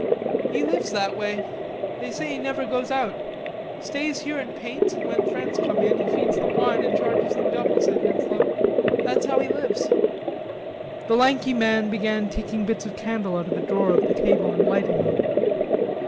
"He lives that way.... They say he never goes out. Stays here and paints, and when friends come in, he feeds them wine and charges them double," said Henslowe. "That's how he lives." The lanky man began taking bits of candle out of a drawer of the table and lighting them.